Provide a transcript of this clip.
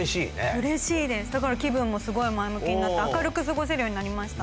うれしいですだから気分もすごい前向きになって明るく過ごせるようになりました。